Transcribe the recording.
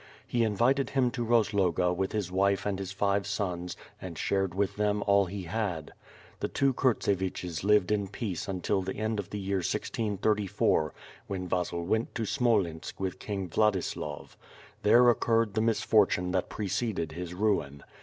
He invited him to Rozloga with his wife and his five sons and shared with them all he had. The two Kurtseviches lived in peace until the end of the year 1634, when Vasil went to Smolensk with King Vladislav. There occurred the mis fortune that preceded his ruin.